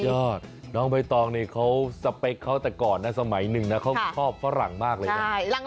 ยอดน้องเบนตองนี่สเปคเขาแต่ก่อนนั่นสมัยหนึ่งนะเขาชอบฝรั่งมากเลย